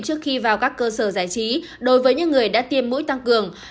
trước khi vào các cơ sở giải trí đối với những người đã tiêm mũi tăng cường